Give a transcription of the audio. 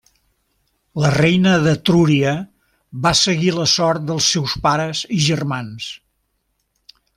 La reina d'Etrúria va seguir la sort dels seus pares i germans.